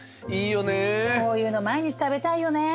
こういうの毎日食べたいよね。